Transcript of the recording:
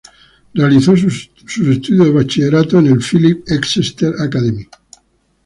Realizó sus estudios de bachillerato en el "Phillips Exeter Academy".